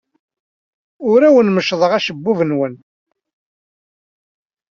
Ur awen-meccḍeɣ acebbub-nwen.